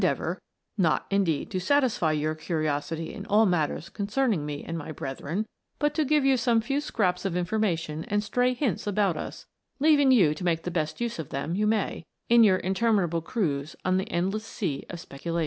deavour, not, indeed, to satisfy your curiosity in all matters concerning me and my brethren, but to give you some few scraps of information and stray hints about xis, leaving you to make the best use of them you may, in your interminable cruise on the endless sea of speculation.